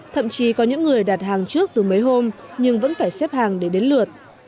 thậm chí có những người đặt hàng trước từ mấy hôm nhưng vẫn phải xếp hàng để đến lượt